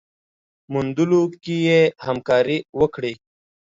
موندلو کي يې همکاري وکړئ